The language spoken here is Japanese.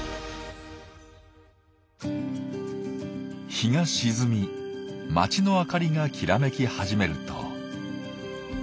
日が沈み街の明かりがきらめき始めると。